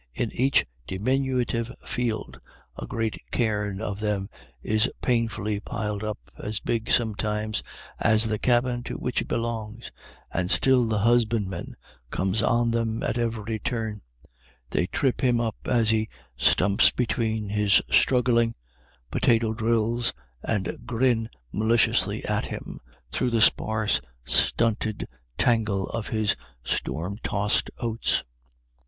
In each diminutive field a great cairn of them is painfully piled up, as big, sometimes, as the cabin to which it belongs, and still the husbandman comes on them at every turn ; they trip him up as he stumps between his struggling io IRISH IDYLLS. potato drills, and grin maliciously at him through the sparse, stunted tangly of his storm tossed oats.